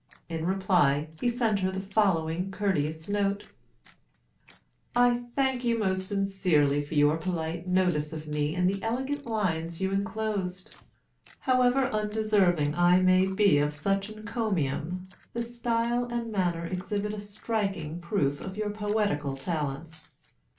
In reply, he sent her the following courteous note: "I thank you most sincerely for your polite notice of me in the elegant lines you enclosed. However undeserving I may be of such encomium, the style and manner exhibit a striking proof of your poetical talents.